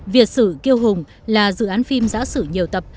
việt sử kiêu hùng là dự án phim giã sử nhiều tập